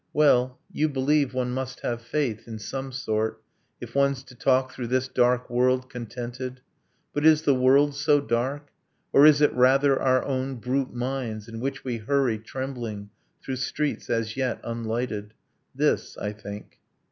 . Well, you believe one must have faith, in some sort, If one's to talk through this dark world contented. But is the world so dark? Or is it rather Our own brute minds, in which we hurry, trembling, Through streets as yet unlighted? This, I think.